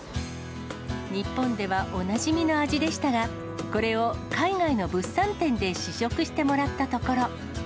日本ではおなじみの味でしたが、これを海外の物産展で試食してもらったところ。